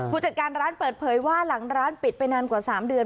ผู้จัดการร้านเปิดเผยว่าหลังร้านปิดไปนานกว่า๓เดือน